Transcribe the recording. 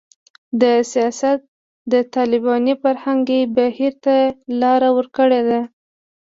دا سیاست د طالباني فرهنګي بهیر ته لاره ورکړې ده